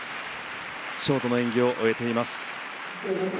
ショートの演技を終えています。